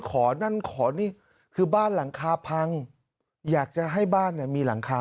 ขอนั่นขอนี่คือบ้านหลังคาพังอยากจะให้บ้านเนี่ยมีหลังคา